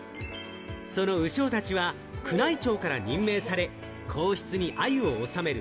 その鵜匠たちは、宮内庁から任命され、皇室にアユを納める